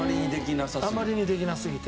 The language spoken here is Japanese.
あまりにできなさすぎて？